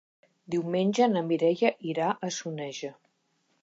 Diumenge na Mireia irà a Soneja.